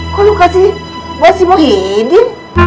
kok lu kasih bawa si muhyiddin